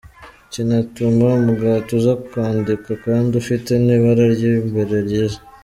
Kinatuma umugati uza ukandika kandi ufite n’ibara ry’imbere ryiza.